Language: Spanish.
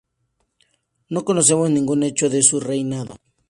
No conocemos ningún hecho de su reinado.